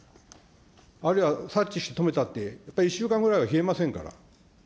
あるいは察知して止めたって、やっぱり１週間ぐらいは冷えませんから。